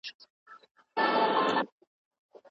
تاسي باید د خپل بدن تودوخه اندازه کړئ.